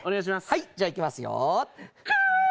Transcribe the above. じゃあ、いきますよ。